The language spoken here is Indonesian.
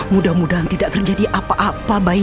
mudah mudahan tidak terjadi apa apa